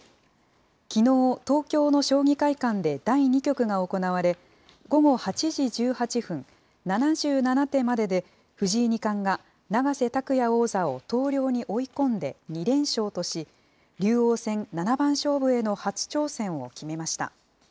きのう、東京の将棋会館で第２局が行われ、午後８時１８分、７７手までで藤井二冠が永瀬拓矢王座を投了に追い込んで、２連勝とし、竜王戦七番勝負への初挑戦を決めました。